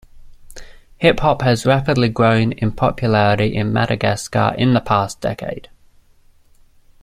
Hip hop has rapidly grown in popularity in Madagascar in the past decade.